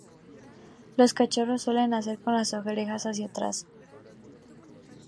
Los cachorros suelen nacer con las orejas hacia atrás.